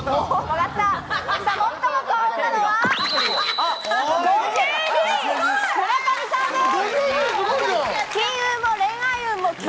最も幸運なのは５２位村上さんです！